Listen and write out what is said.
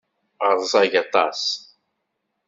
Rẓag aṭas.